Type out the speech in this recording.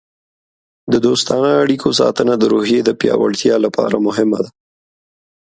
د دوستانه اړیکو ساتنه د روحیې د پیاوړتیا لپاره مهمه ده.